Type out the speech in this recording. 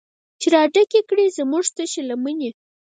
چې راډکې کړي زمونږ تشې لمنې